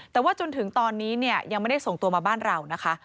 แต่ว่าจนถึงตอนนี้เนี่ยยังไม่ได้ส่งตัวมาบ้านเรานะคะ